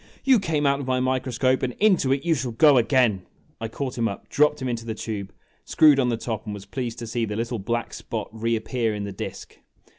" You came out of my microscope, and into it you shall go again !' I caught him up, dropped him into the tube, screwed on the top, and was pleased to see the little black spot reappear in the disk.